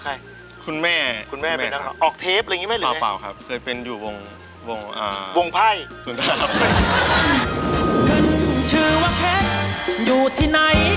ภูนาข้าแก่ตัวใหญ่ซะไม่มี